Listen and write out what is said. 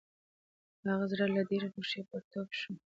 د هغه زړه له ډېرې خوښۍ پر ټوپو شو.